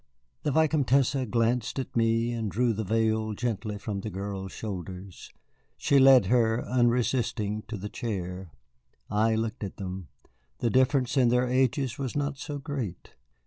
The Vicomtesse glanced at me, and drew the veil gently from the girl's shoulders. She led her, unresisting, to a chair. I looked at them. The difference in their ages was not so great.